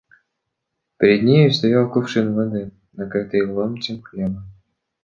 Перед нею стоял кувшин воды, накрытый ломтем хлеба.